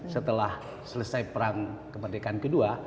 setelah selesai perang kemerdekaan ke dua